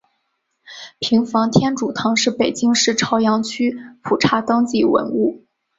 平房天主堂是北京市朝阳区普查登记文物。